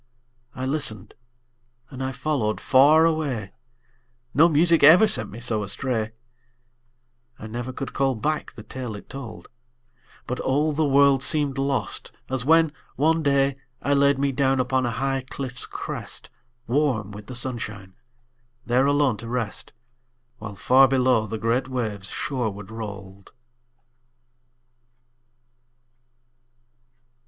I listened, and I followed far away No music ever sent me so astray, I never could call back the tale it told, But all the world seemed lost, as when, one day, I laid me down upon a high cliff's crest, Warm with the sunshine, there alone to rest, While far below the great waves shoreward rolled.